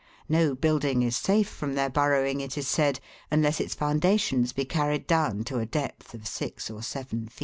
No building is safe from their burrowing, it is said, unless its foundations be carried down to a depth of six or seven feet.